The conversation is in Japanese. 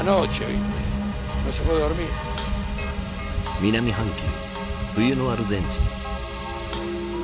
南半球冬のアルゼンチン。